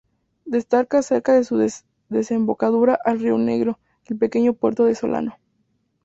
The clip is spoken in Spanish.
Destaca cerca de su desembocadura al río Negro el pequeño puerto de Solano.